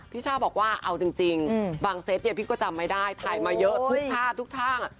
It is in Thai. ช่าบอกว่าเอาจริงบางเซตเนี่ยพี่ก็จำไม่ได้ถ่ายมาเยอะทุกท่าทุกท่า